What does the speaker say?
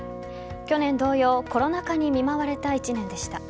去年同様コロナ禍に見舞われた１年でした。